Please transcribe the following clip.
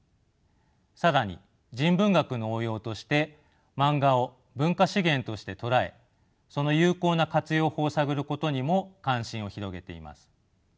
更に人文学の応用としてマンガを文化資源として捉えその有効な活用法を探ることにも関心を広げています。